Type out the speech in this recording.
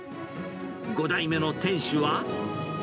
５代目の店主は。